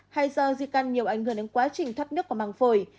hay do di căn nhiều ảnh hưởng đến quá trình thoát nước của màng phổi